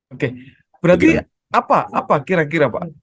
oke berarti apa kira kira pak